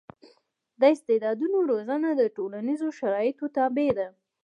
د استعدادونو روزنه د ټولنیزو شرایطو تابع ده.